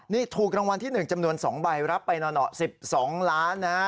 นี่ถูกรางวัลที่๑จำนวน๒ใบรับไปหน่อ๑๒ล้านนะ